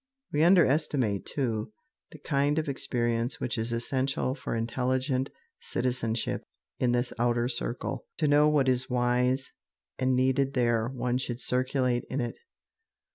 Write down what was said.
We underestimate, too, the kind of experience which is essential for intelligent citizenship in this outer circle. To know what is wise and needed there one should circulate in it.